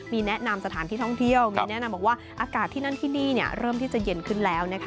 มีแนะนำสถานที่ท่องเที่ยวมีแนะนำบอกว่าอากาศที่นั่นที่นี่เริ่มที่จะเย็นขึ้นแล้วนะคะ